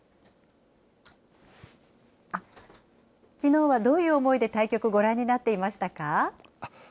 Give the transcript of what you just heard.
きのうはどういう思いで対局をご覧になっていましたか。